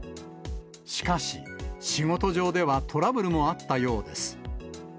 しかし、仕事上ではトラブルもあったようです。